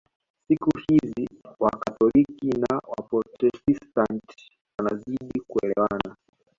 Siku hizi Wakatoliki na Waprotestanti wanazidi kuelewana